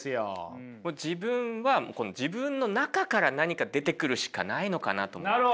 自分は自分の中から何か出てくるしかないのかなと思って。